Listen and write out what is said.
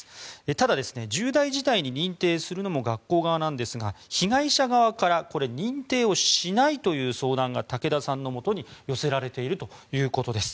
ただ、重大事態に認定するのも学校側なんですが被害者側からこれは認定をしないという相談が武田さんのもとに寄せられているということです。